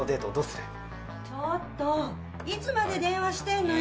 ちょっと、いつまで電話してるのよ。